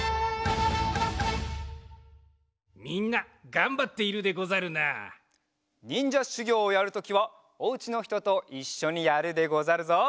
みんながんばっているでござるな。にんじゃしゅぎょうをやるときはお家のひとといっしょにやるでござるぞ。